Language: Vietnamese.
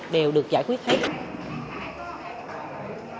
đều được giải quyết hết